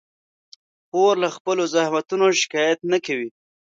خور له خپلو زحمتونو شکایت نه کوي.